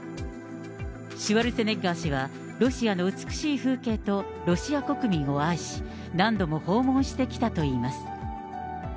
シュワルツェネッガー氏は、ロシアの美しい風景とロシア国民を愛し、何度も訪問してきたといいます。